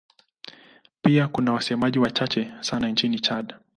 Pia kuna wasemaji wachache sana nchini Chad.